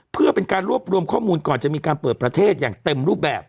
เพื่อเป็นการรวบรวมข้อมูลก่อนจะมีการเปิดประเทศอย่างเต็มรูปแบบ